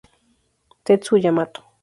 Tetsu Yamato